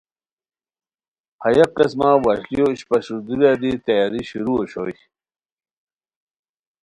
ہیہ قسمہ وشلیو اشپاشور دُوریا دی تیاری شروع اوشوئے